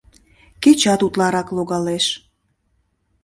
Кечат утларак логалеш.